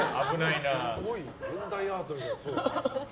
現代アートみたいな。